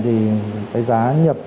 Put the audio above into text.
thì cái giá nhập